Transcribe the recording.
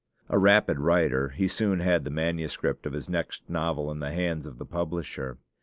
A rapid writer, he soon had the MS. of his next novel in the hands of the publisher.